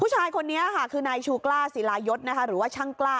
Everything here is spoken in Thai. ผู้ชายคนนี้ค่ะคือนายชูกล้าศิลายศหรือว่าช่างกล้า